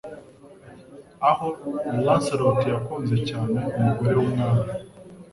aho Lancelot yakunze cyane umugore w'umwami